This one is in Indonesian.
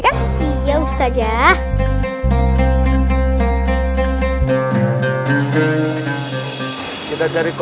kemana juga menang